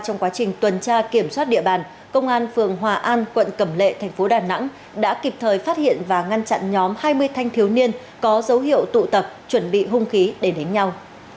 trong quá trình tuần tra kiểm soát địa bàn công an phường hòa an quận cẩm lệ thành phố đà nẵng đã kịp thời phát hiện và ngăn chặn nhóm hai mươi thanh thiếu niên có dấu hiệu tụ tập chuẩn bị hung khí để đánh nhau